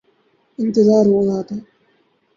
انتظار ہو رہا تھا